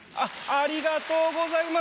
ありがとうございます。